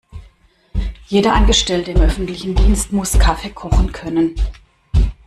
Jeder Angestellte im öffentlichen Dienst muss Kaffee kochen können.